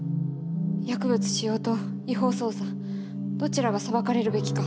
薬物使用と違法捜査どちらが裁かれるべきか。